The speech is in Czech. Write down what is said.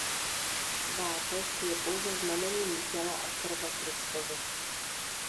Svátost je pouze znamením těla a krve Kristovy.